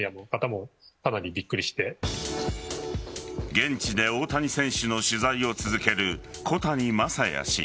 現地で大谷選手の取材を続ける小谷真弥氏。